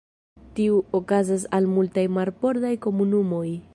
Tiu okazas al multaj marbordaj komunumoj.